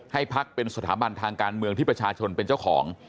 ให้พักเป็นสถาบันทางการเมืองที่ประชาชนเป็นเจ้าของ